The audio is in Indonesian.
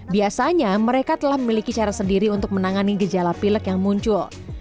biasanya mereka telah memiliki cara sendiri untuk menangani gejala pilek yang muncul